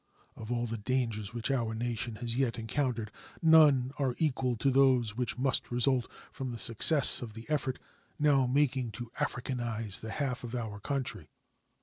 Of all the dangers which our nation has yet encountered, none are equal to those which must result from the success of the effort now making to Africanize the half of our country.